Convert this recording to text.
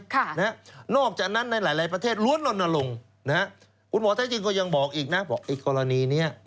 ก็ตี๒อยู่กระทรวงอะไร